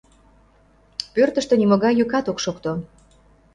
Пӧртыштӧ нимогай йӱкат ок шокто.